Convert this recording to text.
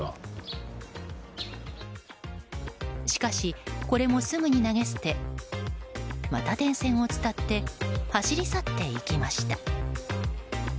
しかしこれもすぐに投げ捨てまた電線を伝って走り去っていきました。